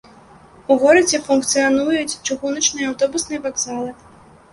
У горадзе функцыянуюць чыгуначны і аўтобусны вакзалы.